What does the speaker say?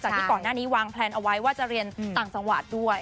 ที่ก่อนหน้านี้วางแพลนเอาไว้ว่าจะเรียนต่างจังหวัดด้วย